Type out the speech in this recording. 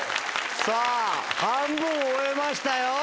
さぁ半分終えましたよ。